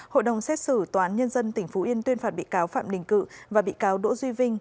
hội đồng xét xử toán nhân dân tỉnh phú yên tuyên phạt bị cáo phạm đình cự và bị cáo đỗ duy vinh